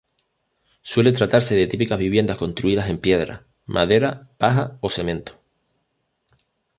Suele tratarse de típicas viviendas construidas en piedras, madera, paja o cemento.